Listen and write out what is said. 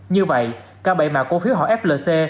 như vậy cao bệnh mạng cổ phiếu họ flc